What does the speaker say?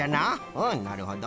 うんなるほど。